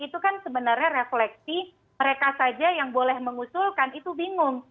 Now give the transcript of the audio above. itu kan sebenarnya refleksi mereka saja yang boleh mengusulkan itu bingung